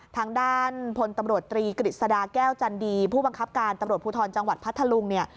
ทางด้านพลตำรวจตรีกฤษฎาแก้วจันดีผู้บังคับการตำรวจภูทรจังหวัดพัทธลุงเนี่ย